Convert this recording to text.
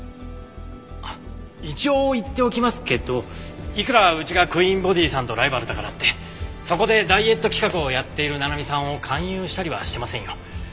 あっ一応言っておきますけどいくらうちがクイーンボディーさんとライバルだからってそこでダイエット企画をやっている七海さんを勧誘したりはしてませんよ。